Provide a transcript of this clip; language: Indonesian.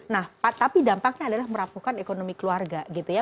nah tapi dampaknya adalah merapuhkan ekonomi keluarga